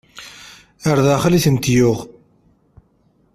Ar daxel i tent-yuɣ.